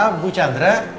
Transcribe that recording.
ah bu chandra